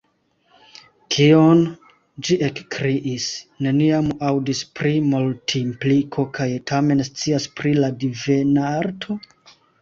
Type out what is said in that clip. "Kion?" Ĝi ekkriis "neniam aŭdis pri Multimpliko kaj tamen scias pri la Divenarto? »